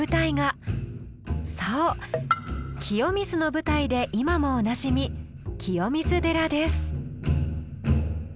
そう「清水の舞台」で今もおなじみ清水寺です！